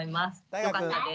よかったです。